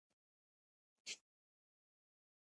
د ګیلان ولسوالۍ مشهوره ده